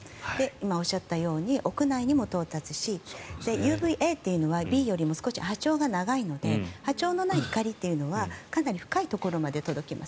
今、おっしゃったように屋内でも到達しＵＶＡというのはＢよりも少し波長が長いので波長のない光はかなり深いところまで届きます。